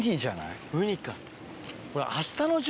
ウニか。